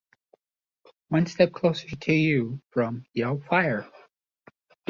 "One Step Closer To You" from "Yell Fire!